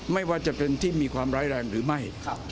ไม่ว่าจะเป็นที่มีความร้ายแรงหรือไม่